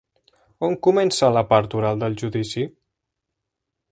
On comença la part oral del judici?